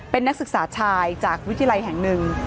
เป็นนักศึกษาชายจากวิทยาลัยแห่งหนึ่ง